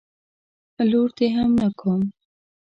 لور دي هم نه کوم.